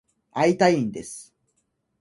会いたいんです。